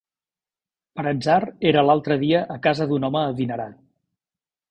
Per atzar era l'altre dia a casa d'un home adinerat